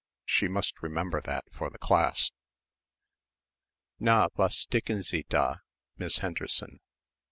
She must remember that for the class. "Na, was sticken Sie da Miss Henderson?"